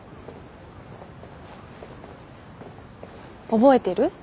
覚えてる？